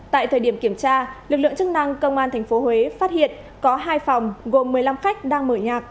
tại thời điểm kiểm tra lực lượng chức năng công an tp huế phát hiện có hai phòng gồm một mươi năm khách đang mở nhạc